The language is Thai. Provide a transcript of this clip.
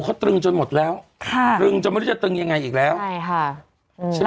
เขาตรึงจนหมดแล้วค่ะตรึงจนไม่รู้จะตรึงยังไงอีกแล้วใช่ค่ะอืมใช่ไหม